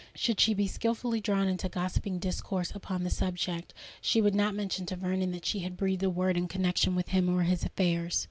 Should she be skilfully drawn into gossiping discourse upon the subject, she would not mention to Vernon that she had breathed a word in connexion with him or his affairs.